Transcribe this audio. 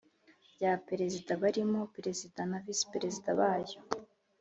rya Perezida barimo Perezida na VisiPerezida bayo